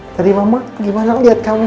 tadi mama lagi malam liat kamu